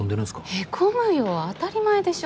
へこむよ当たり前でしょ。